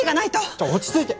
ちょっ落ち着いて。